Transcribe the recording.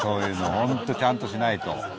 ホントちゃんとしないと。